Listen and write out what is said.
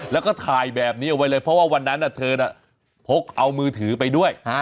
แล้วก็ถ่ายแบบนี้เอาไว้เลยเพราะว่าวันนั้นเธอน่ะพกเอามือถือไปด้วย